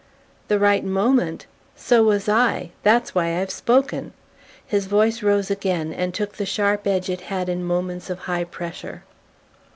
"The right moment? So was I. That's why I've spoken." His voice rose again and took the sharp edge it had in moments of high pressure.